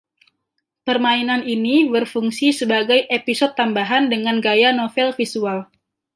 Permainan ini berfungsi sebagai "episode tambahan" dengan gaya novel visual.